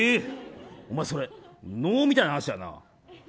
お前それ、能みたいな話やな。